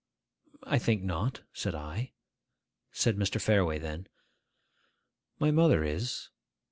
'I think not,' said I. Said Mr. Fareway then, 'My mother is.